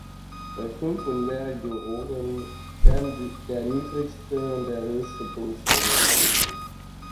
Bei fünf und mehr Juroren werden der niedrigste und der höchste Punktzahl gestrichen.